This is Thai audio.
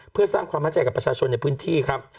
เพื่อสร้างความมั่นใจกับประชาชนในพื้นที่ครับ